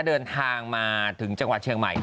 เดินทางมาถึงจังหวัดเชียงใหม่